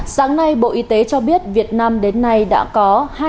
sáng nay bộ y tế cho biết việt nam đến nay đã có hai trăm một mươi chín trăm bốn mươi tám